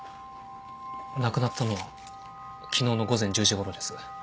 亡くなったのは昨日の午前１０時ごろです。